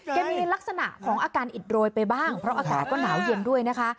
ในลักษณะของอาการอิดโรยไปบ้างเพราะอากาศก็หนาวเย็นด้วยนะคะ